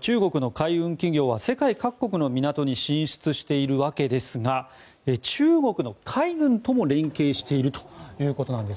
中国の海運企業は世界各国の港に進出しているわけですが中国の海軍とも連携しているということです。